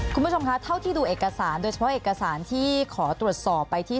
คุณผู้ชมคะเท่าที่ดูเอกสารโดยเฉพาะเอกสารที่ขอตรวจสอบไปที่